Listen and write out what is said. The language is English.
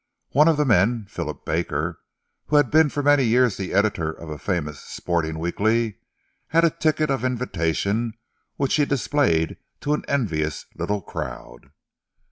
One of the men, Philip Baker, who had been for many years the editor of a famous sporting weekly, had a ticket of invitation which he displayed to an envious little crowd.